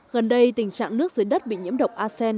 gần đây tình trạng nước dưới đất bị nhiễm độc acen